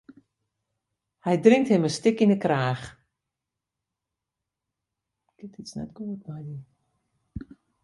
Hy drinkt him in stik yn 'e kraach.